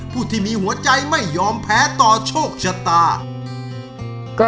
ผู้ที่มีหัวใจไม่ยอมแพ้ต่อโชคชะตา